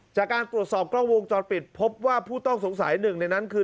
จากการตรวจสอบกล้องวงจรปิดพบว่าผู้ต้องสงสัยหนึ่งในนั้นคือ